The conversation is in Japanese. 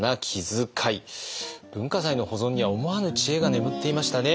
文化財の保存には思わぬ知恵が眠っていましたね。